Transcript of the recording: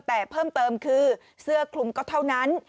แต่เพิ่มเติมคือเสื้อคลุมก็เท่านั้น